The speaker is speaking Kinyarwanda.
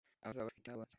Abazaba batwite n abonsa